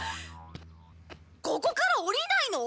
ここから下りないの？